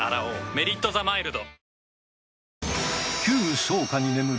「メリットザマイルド」